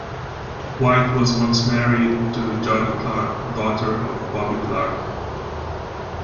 White was once married to Jody Clarke, daughter of Bobby Clarke.